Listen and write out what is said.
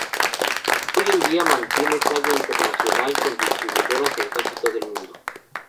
Hoy en día mantiene talla Internacional, con distribuidoras en casi todo el mundo.